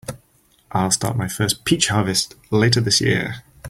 I'll start my first peach harvest later this year.